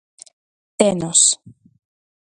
Tenos.